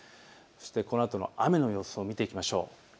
このあとの雨の様子を見ていきましょう。